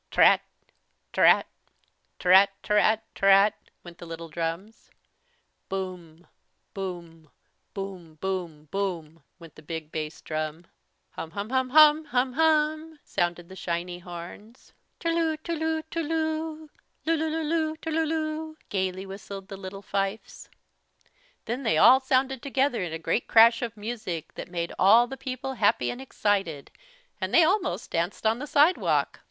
Trrat trrat trrat trrat trrat! went the little drums. Boom boom boom boom boom! went the big bass drum. hum hum hum Hum hum hum! sounded the shiny horns. ter loo ter loo ter loo Loo loo loo ter loo loo! gaily whistled the little fifes. Then they all sounded together in a grand crash of music that made all the people happy and excited, and they almost danced on the sidewalk.